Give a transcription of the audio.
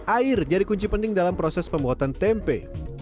air jadi kunci penting dalam proses pembuatan tempe